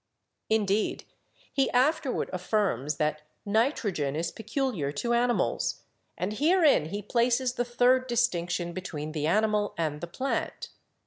Indeed, he afterward affirms that nitrogen is peculiar to animals, and herein he places the third distinction be tween the animal and the plant.